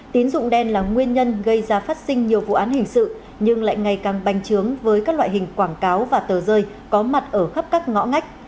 tín dụng đen là nguyên nhân gây ra phát sinh nhiều vụ án hình sự nhưng lại ngày càng bành trướng với các loại hình quảng cáo và tờ rơi có mặt ở khắp các ngõ ngách